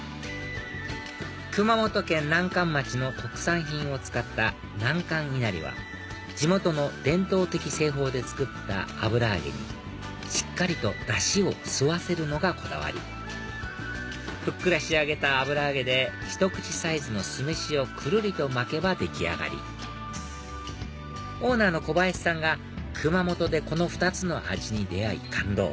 熊本県南関町の特産品を使った南関いなりは地元の伝統的製法で作った油揚げにしっかりとダシを吸わせるのがこだわりふっくら仕上げた油揚げでひと口サイズの酢飯をくるりと巻けば出来上がりオーナーの小林さんが熊本でこの２つの味に出会い感動